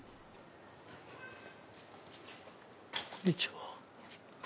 こんにちは。